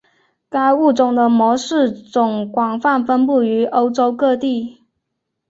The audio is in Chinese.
该物种的模式种广泛分布于欧洲各地。